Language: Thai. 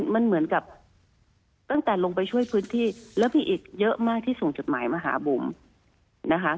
มันเหมือนกับตั้งแต่ลงไปช่วยพื้นที่แล้วมีอีกเยอะมากที่ส่งจดหมายมาหาบุ๋มนะคะ